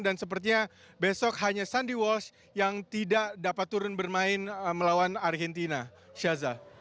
dan sepertinya besok hanya sandy walsh yang tidak dapat turun bermain melawan argentina syaza